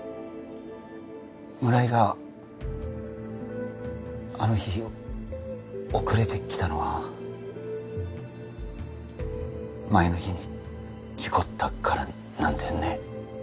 村井があの日遅れてきたのは前の日に事故ったからなんだよね？